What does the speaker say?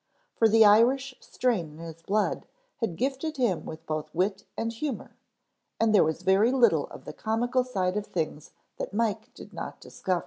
For the Irish strain in his blood had gifted him with both wit and humor and there was very little of the comical side of things that Mike did not discover.